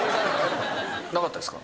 なかったですか？